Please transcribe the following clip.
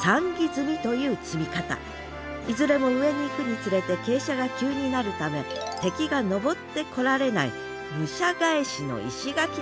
いずれも上に行くにつれて傾斜が急になるため敵が登ってこられない武者返しの石垣です